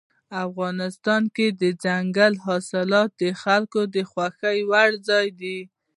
افغانستان کې دځنګل حاصلات د خلکو د خوښې وړ ځای دی.